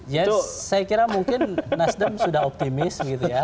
ya saya kira mungkin nasdem sudah optimis gitu ya